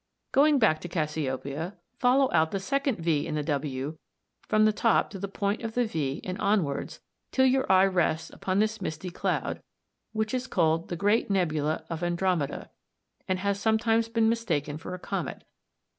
Going back to Cassiopeia, follow out the second V in the W from the top to the point of the V and onwards till your eye rests upon this misty cloud, which is called the Great Nebula of Andromeda, and has sometimes been mistaken for a comet (Figs.